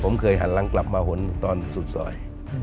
ผมเคยหันหลังกลับมาหนตอนสุดซอย